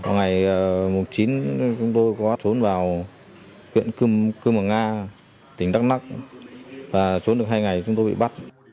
ngày chín chúng tôi có trốn vào viện cưm ở nga tỉnh đắk lắk và trốn được hai ngày chúng tôi bị bắt